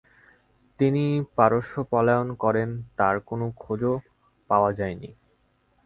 তিনি পারস্য পলায়ন করেন তার আর কোনো খোঁজ পাওয়া যায়নি।